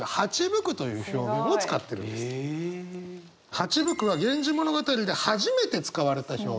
蜂吹くは「源氏物語」で初めて使われた表現。